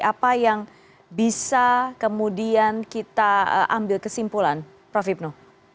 apa yang bisa kemudian kita ambil kesimpulan prof ibnu